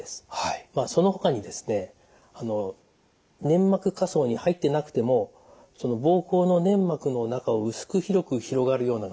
そのほかにですね粘膜下層に入ってなくてもその膀胱の粘膜の中を薄く広く広がるようながんですね。